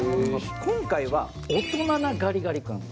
今回は大人なガリガリ君。